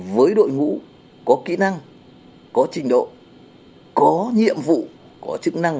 với đội ngũ có kỹ năng có trình độ có nhiệm vụ có chức năng